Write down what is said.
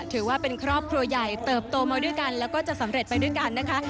ถือว่าเป็นครอบครัวใหญ่เติบโตมาด้วยกันแล้วก็จะสำเร็จไปด้วยกันนะคะ